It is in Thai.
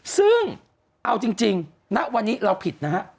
ซึ่งเอาจริงณวันนี้เราผิดนะฮะ